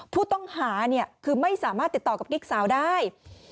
ผู้ต้องหาคือไม่สามารถติดต่อกับกิ๊กสาวได้